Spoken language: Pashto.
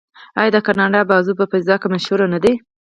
آیا د کاناډا بازو په فضا کې مشهور نه دی؟